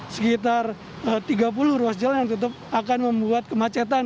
sekitar tiga puluh ruas jalan yang tutup akan membuat kemacetan